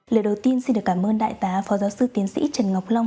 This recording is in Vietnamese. lời đầu tiên xin được cảm ơn đại tá phó giáo sư tiến sĩ trần ngọc long